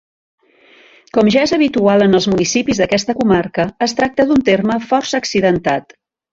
Com ja és habitual en els municipis d'aquesta comarca, es tracta d'un terme força accidentat.